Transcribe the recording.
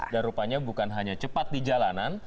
dan rupanya bukan hanya cepat di jalanan